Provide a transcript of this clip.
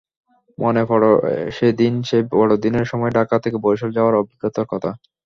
মনে পড়ে সেদিনের সেই বড়দিনের সময় ঢাকা থেকে বরিশাল যাওয়ার অভিজ্ঞতার কথা।